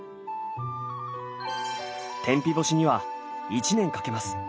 天日干しには１年かけます。